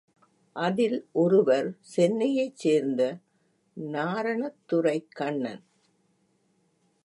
அதில் ஒருவர் சென்னையைச் சேர்ந்த நாரணதுரைக்கண்னன்.